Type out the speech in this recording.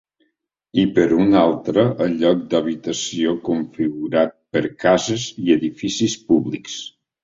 I per un altre el lloc d'habitació configurat per cases i edificis públics.